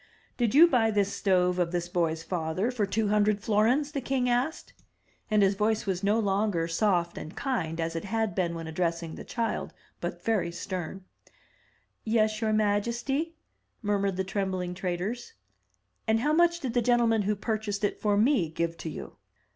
"Did you buy this stove of this boy's father for two hundred florins?" the king asked; and his voice was no longer soft and kind as it had been when addressing the child, but very stem. "Yes, your majesty," murmured the trembling traders. "And how much did the gentleman who purchased it for me give to you?"